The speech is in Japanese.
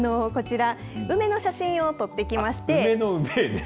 こちら、梅の写真を撮ってきまし